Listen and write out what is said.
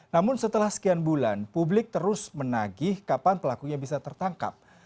namun setelah sekian bulan publik terus menagih kapan pelakunya bisa tertangkap